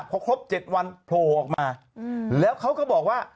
พอครบ๗วันโผล่ออกมาแล้วเขาก็บอกว่า